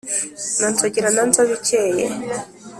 na nzogera na nzobikeye